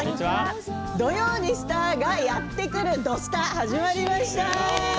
土曜にスターがやってくる「土スタ」が始まりました。